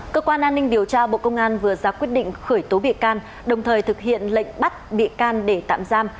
cơ quan an ninh điều tra bộ công an vừa ra quyết định khởi tố bị can đồng thời thực hiện lệnh bắt bị can để tạm giam